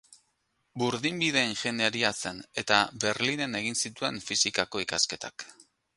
Burdinbide ingeniaria zen, eta Berlinen egin zituen fisikako ikasketak.